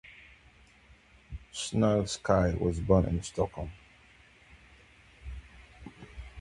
Snoilsky was born in Stockholm.